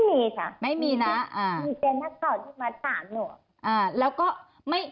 ในมีค่ะ